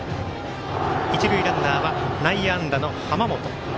一塁ランナーは内野安打の濱本。